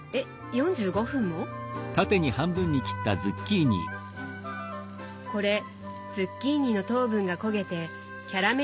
４５分も⁉これズッキーニの糖分が焦げてキャラメリゼされるんですって！